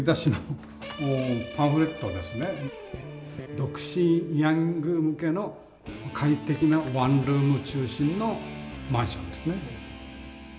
「独身ヤング向けの快適なワンルーム中心」のマンションですね。